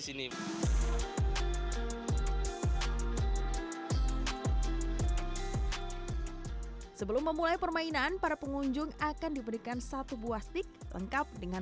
sini sebelum memulai permainan para pengunjung akan diberikan satu buah stick lengkap dengan